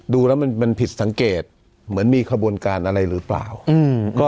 ดูแล้วมันผิดสังเกตเหมือนมีขบวนการอะไรหรือเปล่า